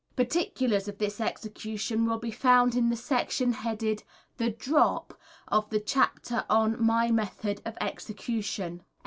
Particulars of this execution will be found in the section headed, "The Drop," of the chapter on "My Method of Execution."